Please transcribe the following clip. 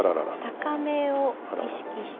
高めを意識して。